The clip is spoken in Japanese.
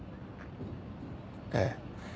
ええ。